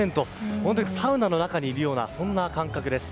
本当にサウナの中にいるような感覚です。